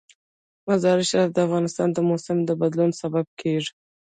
مزارشریف د افغانستان د موسم د بدلون سبب کېږي.